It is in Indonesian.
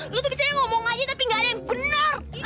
lu tuh bisa yang ngomong aja tapi gak ada yang benar